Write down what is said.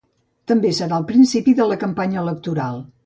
També serà el principi de la campanya electoral.